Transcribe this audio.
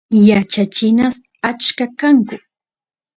yachachinas achka kanku